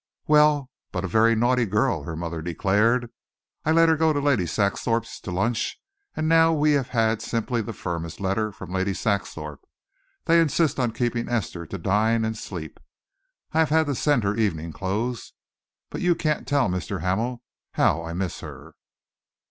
"Well, but a very naughty girl," her mother declared. "I let her go to Lady Saxthorpe's to lunch, and now we have had simply the firmest letter from Lady Saxthorpe. They insist upon keeping Esther to dine and sleep. I have had to send her evening clothes, but you can't tell, Mr. Hamel, how I miss her."